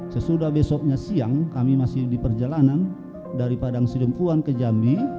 sesudah besoknya siang kami masih di perjalanan dari padang sidempuan ke jambi